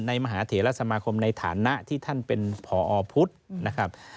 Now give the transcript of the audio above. มหาเถระสมาคมในฐานะที่ท่านเป็นผอพุทธนะครับ